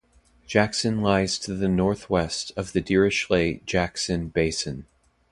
Jackson lies to the northwest of the Dirichlet-Jackson Basin.